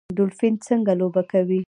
ډولفین څنګه لوبه کوي؟